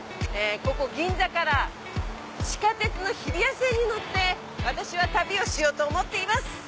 ここ銀座から地下鉄の日比谷線に乗って私は旅をしようと思っています。